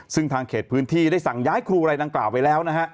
ซึ่งทางเขตพื้นที่ได้สั่งย้ายครูอะไรดังกล่าวไปแล้วนะฮะ